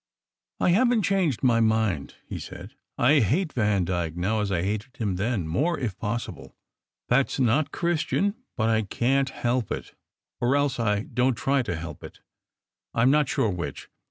"I haven t changed my mind," he said. "I hate Van SECRET HISTORY 283 dyke now as I hated him then, more if possible. That s not Christian, but I can t help it, or else I don t try to help it; I m not sure which.